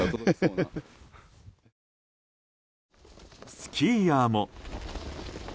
スキーヤーも。